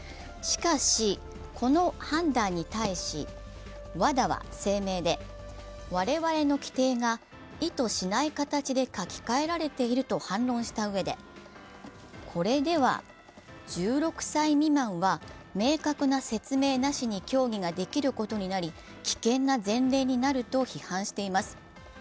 しかし、この判断に対しＷＡＤＡは声明で我々の規定が意図しない形で書き換えられていると反論したうえでこれでは１６歳未満は明確な説明なしに競技ができることになり危険な前例になると批判しています。